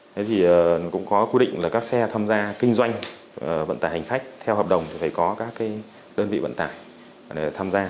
thế thì cũng có quy định là các xe tham gia kinh doanh vận tải hành khách theo hợp đồng thì phải có các đơn vị vận tải để tham gia